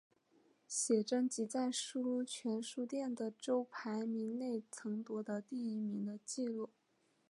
写真集在书泉书店的周排名内曾夺得第一名的纪录。